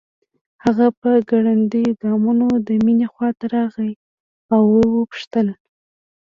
هغه په ګړنديو ګامونو د مينې خواته راغی او وپوښتل